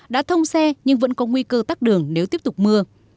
đã thông xe nhưng vẫn có nguy cơ tắt đường nếu tiếp tục mưa